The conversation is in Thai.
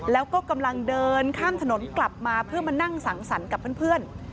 แล้วก็กำลังเดินข้ามถนนกลับมาเพื่อมานั่งสังสรรค์กับเพื่อน